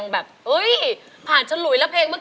แบบพอผ่านฝนบริเวณพี่